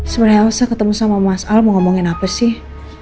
sebenarnya saya ketemu sama mas al mau ngomongin apa sih